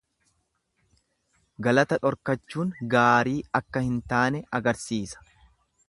Galata dhorkachuun gaarii akka hin taane agarsiisa.